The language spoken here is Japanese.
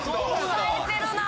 押さえてるな！